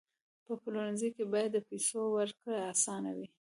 په پلورنځي کې باید د پیسو ورکړه اسانه وي.